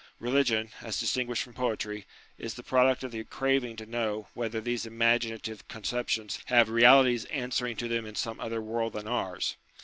Eeligion, as distinguished from poetry, is the product of the craving to know whether these imaginative concep tions have realities answering to them in some other world than ours.